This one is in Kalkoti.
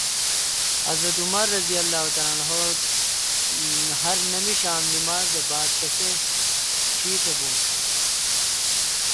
حضرت عمرؓہرنماشام نمازداپتاتسیشی تہ بونس۔